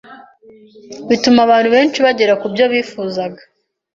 bituma abantu benshi bagera kubyo bifuzaga